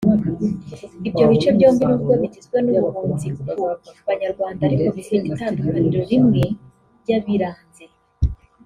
Ibyo bice byombi n’ubwo bigizwe n’ubuhunzi ku Banyarwanda ariko bifite itandukaniro rimwe ryabiranze